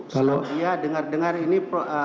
kalau dia dengar dengar ini